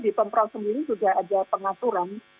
di pemprosum ini sudah ada pengaturan